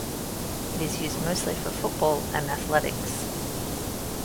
It is used mostly for football and athletics.